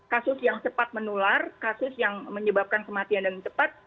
kasus yang cepat menular kasus yang menyebabkan kematian dan cepat